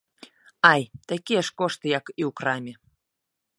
Ай, такія ж кошты, як і ў краме!